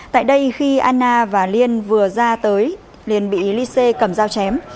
tại đây khi anna và lien vừa ra tới lien bị lise cầm dao chém